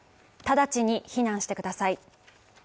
直ちに避難してください。